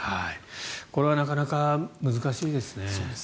これはなかなか難しいですね。